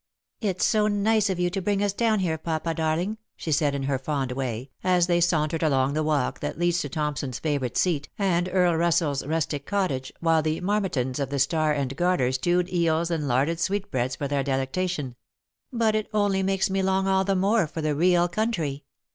86 Lost for Love. " It's so nice of you to bring ns down here, papa darling," she said in her fond way, as they sauntered along the walk that leads to Thompson's favourite seat, and Earl Russell's rustic cottage, while the marmitons of the Star and Garter stewed eels and larded sweetbreads for their delectation ;" but it only makes me long all the more for the real country.